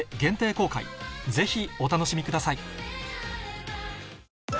ぜひお楽しみください